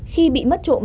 khi bị mất trộm